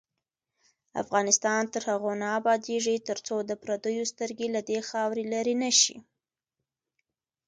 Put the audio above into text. افغانستان تر هغو نه ابادیږي، ترڅو د پردیو سترګې له دې خاورې لرې نشي.